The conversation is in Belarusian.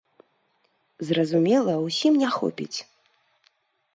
Зразумела, усім не хопіць.